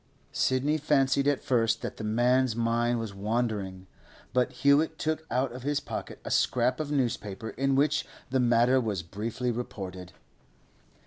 Sidney fancied at first that the man's mind was wandering, but Hewett took out of his pocket a scrap of newspaper in which the matter was briefly reported.